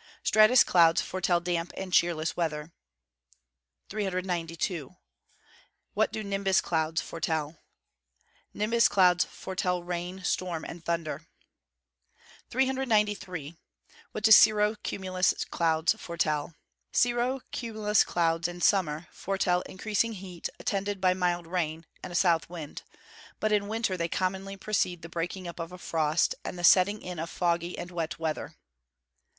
_ Stratus clouds foretell damp and cheerless weather. 392. What do nimbus clouds foretell? Nimbus clouds foretell rain, storm, and thunder. (Fig. 10.) 393. What do cirro cumulus clouds foretell? Cirro cumulus clouds, in summer, foretell increasing heat attended by mild rain, and a south wind; but in winter they commonly precede the breaking up of a frost, and the setting in of foggy and wet weather.